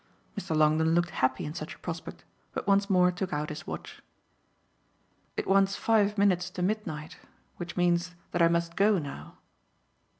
Mr. Longdon looked happy in such a prospect, but once more took out his watch. "It wants five minutes to midnight. Which means that I must go now."